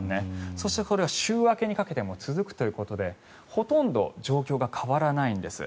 そして、それは週明けにかけても続くということでほとんど状況が変わらないんです。